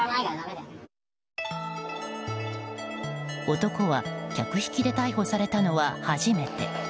男は客引きで逮捕されたのは初めて。